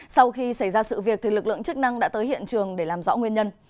sau khi xảy ra sự việc lực lượng chức năng đã tới hiện trường để làm rõ nguyên nhân